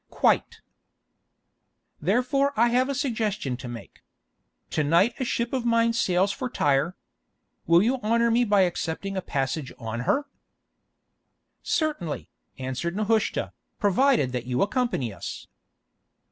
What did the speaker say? "Quite." "Therefore I have a suggestion to make. To night a ship of mine sails for Tyre. Will you honour me by accepting a passage on her?" "Certainly," answered Nehushta, "provided that you accompany us."